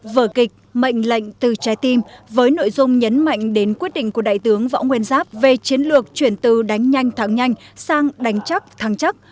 vở kịch mệnh lệnh từ trái tim với nội dung nhấn mạnh đến quyết định của đại tướng võ nguyên giáp về chiến lược chuyển từ đánh nhanh thắng nhanh sang đánh chắc thắng chắc